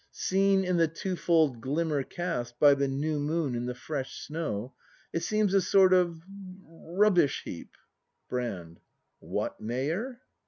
] Seen in the twofold glimmer cast By the new moon and the fresh snow, It seems a sort of — rubbish heap. Brand. What, Mayor!